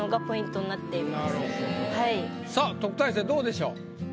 さあ特待生どうでしょう？